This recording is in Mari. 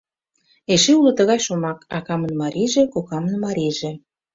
Эше уло тыгай шомак: акамын марийже, кокамын марийже...